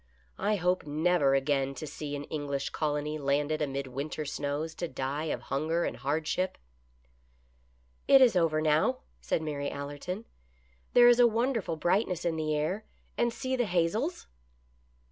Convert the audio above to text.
I hope never again to see an English colony landed amid winter snows to die of hunger and hardship." " It is over now," said Mary Allerton. " There is a wonderful brightness in the air, and see the hazels